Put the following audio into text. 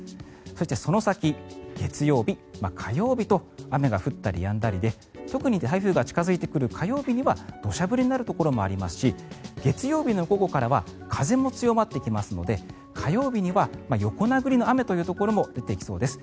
そしてその先月曜日、火曜日と雨が降ったりやんだりで特に台風が近付いてくる火曜日には土砂降りになるところもありますし月曜日の午後からは風も強まってきますので火曜日には横殴りの雨というところも出てきそうです。